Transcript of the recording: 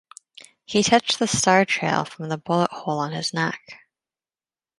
He touched the star trail from the bullet hole on his neck.